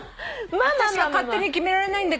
私が勝手に決められないんだけども。